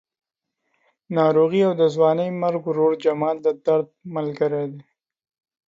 ناروغي او د ځوانې مرګ ورور جمال درد یې ملګري دي.